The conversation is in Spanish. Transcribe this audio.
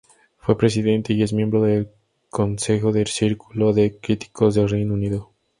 Fue presidente, y es miembro de concejo del Círculo de Críticos de Reino Unido.